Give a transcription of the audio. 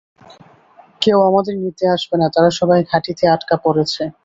কেউ আমাদের নিতে আসবে না, তারা সবাই ঘাঁটিতে আটকা পড়েছে।